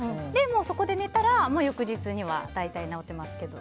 そこで寝たら、翌日には大体、直ってますけど。